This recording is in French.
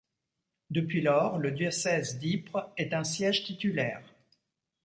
Depuis lors, le diocèse d’Ypres est un siège titulaire.